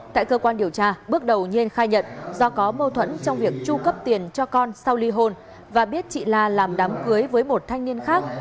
tại cơ quan điều tra bước đầu nhiên khai nhận do có mâu thuẫn trong việc tru cấp tiền cho con sau ly hôn và biết chị la làm đám cưới với một thanh niên khác